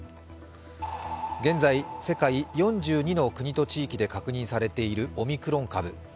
現在、世界４２の国と地域で確認されているオミクロン株。